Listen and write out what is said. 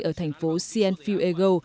ở thành phố cienfuego